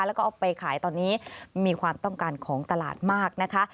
แล้วก็เอาไปขายตอนนี้มีความต้องการของตลาดมากนะคะ